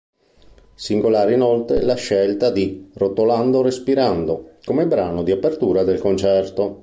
Singolare inoltre la scelta di "Rotolando respirando" come brano di apertura del concerto.